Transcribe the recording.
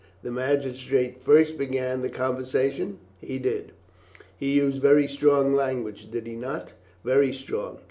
"The magistrate first began the conversation?" "He did." "He used very strong language, did he not?" "Very strong."